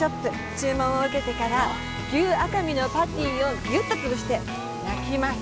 注文を受けてから牛赤身のパティをギュッと潰して焼きます。